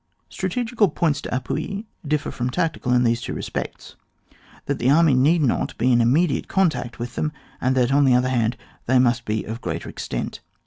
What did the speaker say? Strategical points d'appui differ from tactical in these two respects, that the army need not be in immediate contact with them, and that, on the other hand, they must be of greater extent.